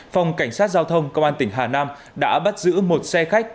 phòng cảnh sát giao thông công an tỉnh hà nam đã bắt giữ một xe khách